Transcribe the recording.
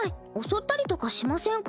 襲ったりとかしませんから。